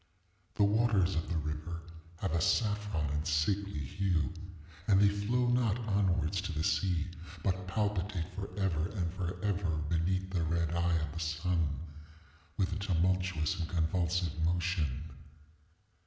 ŌĆ£The waters of the river have a saffron and sickly hue; and they flow not onwards to the sea, but palpitate forever and forever beneath the red eye of the sun with a tumultuous and convulsive motion.